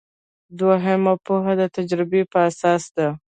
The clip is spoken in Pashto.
دوهمه پوهه د تجربې په اساس ده.